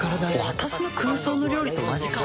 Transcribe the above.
私の空想の料理と同じか。